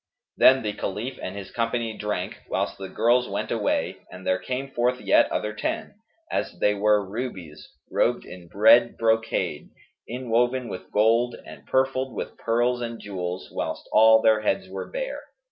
Then the Caliph and his company drank, whilst the girls went away and there came forth yet other ten, as they were rubies, robed in red brocade inwoven with gold and purfled with pearls and jewels whilst all their heads were bare.